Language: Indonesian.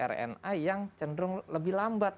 rna yang cenderung lebih lambat